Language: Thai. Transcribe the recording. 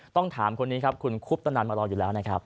ต้องถามคนนี้ครับคุณคุปตนันมารออยู่แล้วนะครับ